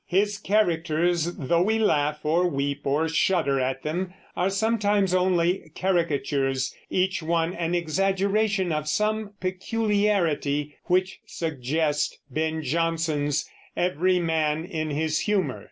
His characters, though we laugh or weep or shudder at them, are sometimes only caricatures, each one an exaggeration of some peculiarity, which suggest Ben Jonson's Every Man in His Humour.